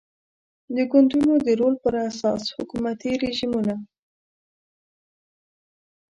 د ګوندونو د رول پر اساس حکومتي رژیمونه